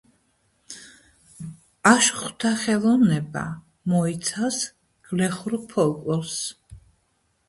აშუღთა ხელოვნება მოიცავს გლეხურ ფოლკლორს.